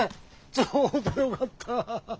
ちょうどよかったァ。